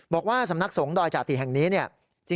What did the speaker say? บอกว่าสำนักสงฆ์ดอยจาติแห่งนี้เนี่ย